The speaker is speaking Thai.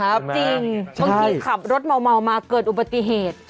จริงบางทีขับรถเมามาเกิดอุบัติเหตุ